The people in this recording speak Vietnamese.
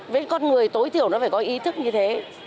với con người tối thiểu nó phải có ý thức như thế